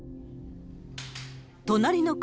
隣の国、